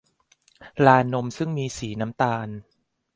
ลานนมซึ่งมีสีน้ำตาล